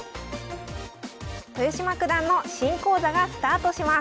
豊島九段の新講座がスタートします